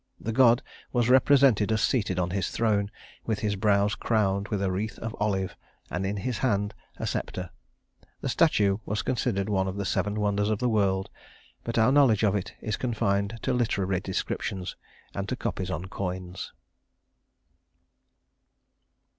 The god was represented as seated on his throne, with his brows crowned with a wreath of olive and in his hand a scepter. The statue was considered one of the Seven Wonders of the world, but our knowledge of it is confined to literary descriptions and to copies on coins.